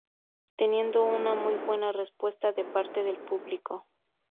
Teniendo una muy buena respuesta de parte del público.